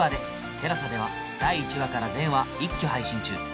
ＴＥＬＡＳＡ では第１話から全話一挙配信中